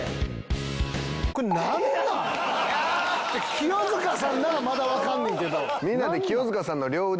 清塚さんならまだわかんねんけど。